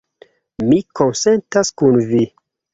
Mi konsentas kun vi